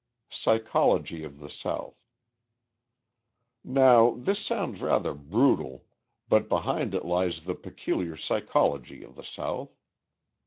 Psychology of the South Now, this sounds rather brutal, but behind it lies the peculiar psychology of the South.